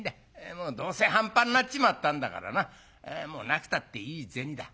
もうどうせ半端になっちまったんだからなもうなくたっていい銭だ。